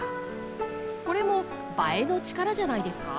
これも映えの力じゃないですか？